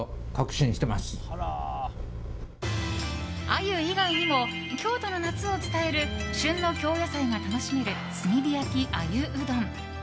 アユ以外にも京都の夏を伝える旬の京野菜が楽しめる炭火焼鮎うどん。